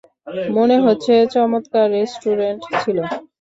মনে হচ্ছে চমৎকার রেস্টুরেন্ট ছিল।